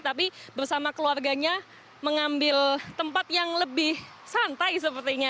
tapi bersama keluarganya mengambil tempat yang lebih santai sepertinya